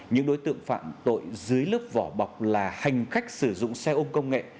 những đối tượng phạm tội dưới lớp vỏ bọc là hành khách sử dụng xe ôm công nghệ